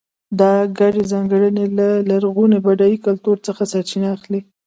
دا ګډې ځانګړنې له لرغوني بډای کلتور څخه سرچینه اخلي.